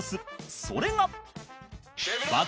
それが